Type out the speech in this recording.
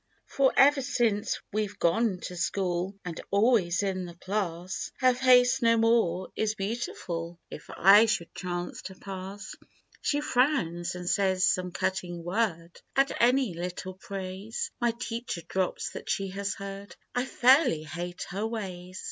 "Bor ever since we've gone to school, And always in the class, Her face no more is beautiful, If I should chance to pass. "She frowns, and says some cutting word At any little praise My teacher drops that she has heard; I fairly hate her ways